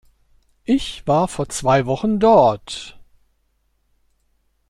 Ich war vor zwei Wochen dort.